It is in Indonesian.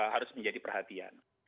harus menjadi perhatian